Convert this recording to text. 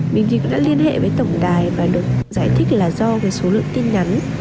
mình thì cũng đã liên hệ với tổng đài và được giải thích là do cái số lượng tin nhắn